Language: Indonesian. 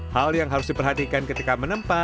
hal yang harus diperhatikan ketika menempa